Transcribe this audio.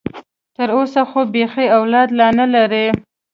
تر اوسه خو بيخي اولاد لا نه لري.